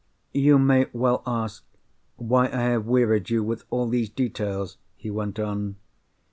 "You may well ask, why I have wearied you with all these details?" he went on.